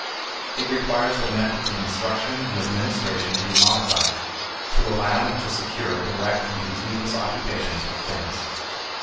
It requires that methods of instruction and administration be modified to allow and to secure direct and continuous occupations with things.